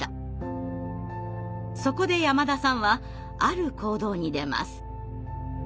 そこで山田さんはある行動に出ます。